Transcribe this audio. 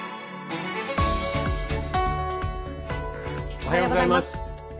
おはようございます。